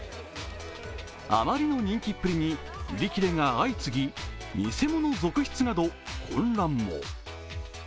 あまりの人気っぷりに、売り切れが相次ぎ偽物続出など混乱も。